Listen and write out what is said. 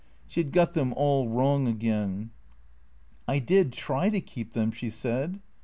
She had got them all wrong again. " I did try to keep them," she said.